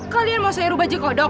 kalian mau saya rubah je kodok